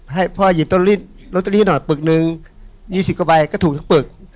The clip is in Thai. ให้พ่อหยิบต้นฤทธิ์หน่อยปึกนึง๒๐กว่าใบก็ถูกทั้งปึก